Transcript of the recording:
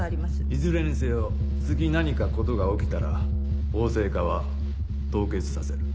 いずれにせよ次何か事が起きたら法制化は凍結させる。